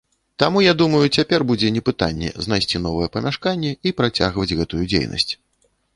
Таму, я думаю, цяпер будзе не пытанне, знайсці новае памяшканне і працягваць гэтую дзейнасць.